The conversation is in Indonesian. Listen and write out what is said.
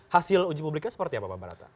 hasil uji publiknya seperti apa pak barata